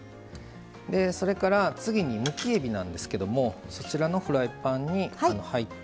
それから次にむきえびなんですけどもそちらのフライパンに入っております。